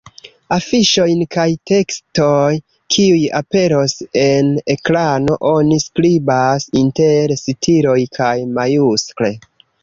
Afiŝojn kaj tekstojn kiuj aperos en ekrano oni skribas inter sitiloj kaj majuskle.